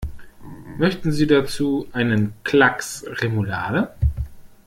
Möchten Sie dazu einen Klacks Remoulade?